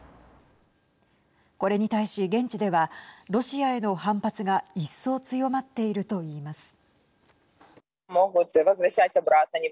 これに対し、現地ではロシアへの反発が一層強まっているといいます。